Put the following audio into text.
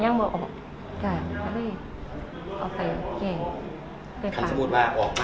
คันสมมุติว่าออกมากคันนั้นเก็บได้หลังเล็กออกดีกว่า